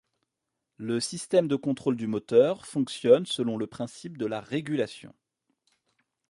Le système de contrôle du moteur fonctionne selon le principe de la régulation.